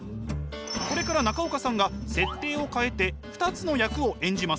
これから中岡さんが設定を変えて２つの役を演じます。